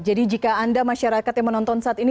jadi jika anda masyarakat yang menonton saat ini